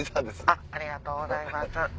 「ありがとうございます」。